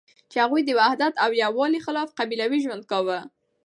چی هغوی د وحدت او یوالی خلاف قبیلوی ژوند کاوه